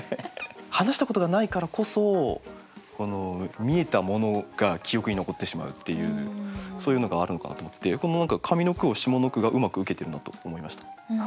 話したことがないからこそ見えたものが記憶に残ってしまうっていうそういうのがあるのかなと思ってこの上の句を下の句がうまく受けてるなと思いました。